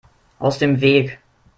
Aus dem Weg!